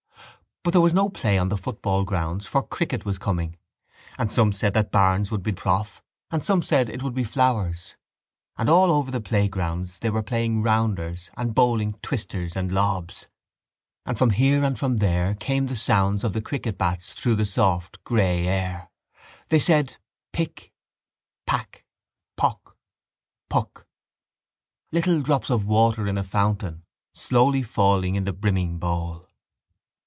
But there was no play on the football grounds for cricket was coming: and some said that Barnes would be prof and some said it would be Flowers. And all over the playgrounds they were playing rounders and bowling twisters and lobs. And from here and from there came the sounds of the cricket bats through the soft grey air. They said: pick, pack, pock, puck: little drops of water in a fountain slowly falling in the brimming bowl.